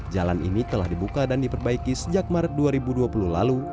jalan ini telah dibuka dan diperbaiki sejak maret dua ribu dua puluh lalu